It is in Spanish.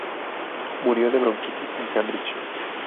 Murió de bronquitis en Cambridge.